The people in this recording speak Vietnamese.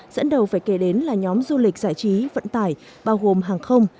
dẫn đầu phải kể đến là nhóm du lịch giải trí vận tải bao gồm hàng không